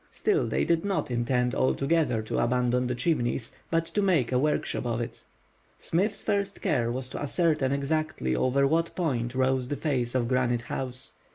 Still they did not intend altogether to abandon the Chimneys, but to make a workshop of it. Smith's first care was to ascertain exactly over what point rose the face of Granite House.